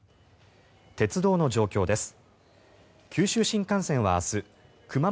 鉄道の状況です。